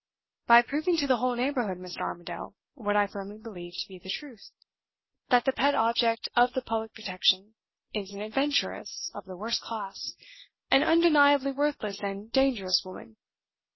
"By proving to the whole neighborhood, Mr. Armadale, what I firmly believe to be the truth that the pet object of the public protection is an adventuress of the worst class; an undeniably worthless and dangerous woman.